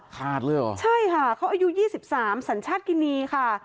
ขาดเลยเหรอใช่ค่ะเขาอายุ๒๓สัญชาติกินีค่ะ